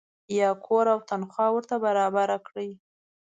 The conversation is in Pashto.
یا کور او تنخوا ورته برابره کړي.